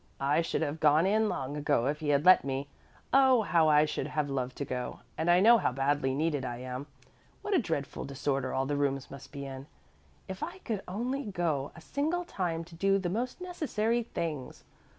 "I should have gone in long ago if he had let me. Oh, how I should have loved to go, and I know how badly needed I am. What a dreadful disorder all the rooms must be in! If I could only go a single time to do the most necessary things!"